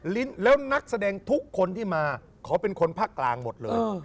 ลิ้นแล้วนักแสดงทุกคนที่มาเขาเป็นคนภาคกลางหมดเลย